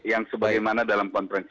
yang sebagaimana dalam konferensi